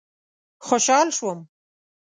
خوشحال شوم.